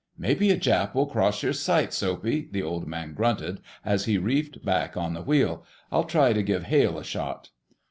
"Maybe a Jap will cross your sights, Soapy!" the Old Man grunted, as he reefed back on the wheel. "I'll try to give Hale a shot."